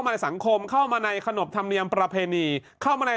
ในสังคมเข้ามาในขนบธรรมเนียมประเพณีเข้ามาใน